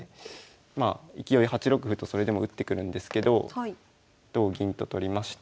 まあ勢い８六歩とそれでも打ってくるんですけど同銀と取りまして。